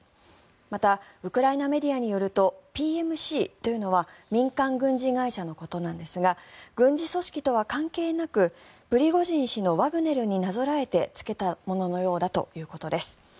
またウクライナメディアによるとＰＭＣというのは民間軍事会社のことなんですが軍事組織とは関係なくプリゴジン氏のワグネルになぞらえてつけたもののようだということです。